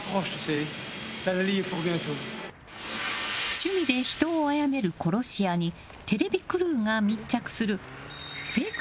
趣味で人を殺める殺し屋にテレビクルーが密着するフェイク